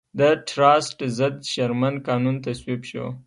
د ټراست ضد شرمن قانون تصویب شو.